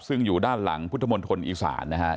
ซึ่งอยู่ด้านหลังพุทธมนตรฐนอีกศาลนะครับ